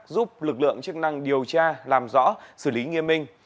giúp lực lượng chức năng điều tra làm rõ xử lý nghiêm minh